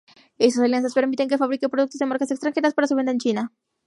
Estas alianzas permiten que fabrique productos de marcas extranjeras para su venta en China.